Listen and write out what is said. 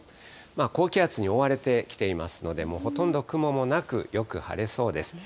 高気圧に覆われてきていますので、ほとんど雲もなく、よく晴れそうです。